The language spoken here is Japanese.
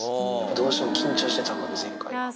どうしても緊張してたんだな、前回は。